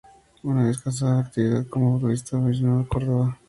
Una vez cesada su actividad como futbolista se afincó en Córdoba.